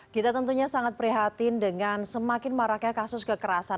kita tentunya sangat prihatin dengan semakin maraknya kasus kekerasan